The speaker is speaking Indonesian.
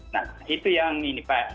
nah itu yang ini pak